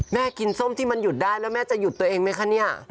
แม่กินส้มที่มันหยุดได้แล้วแม่จะหยุดตัวเองไหมคะเนี่ย